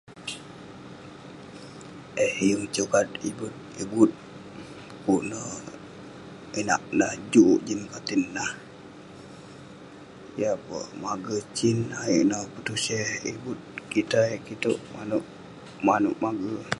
Eh yeng sukat ibut ibut, kuk neh inak nah juk jin katin. Yah peh mager sin neh, ayuk neh petuseh ibut kitei, kitouk. Manouk- manouk mager.